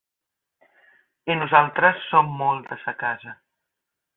I nosaltres som molt de sa casa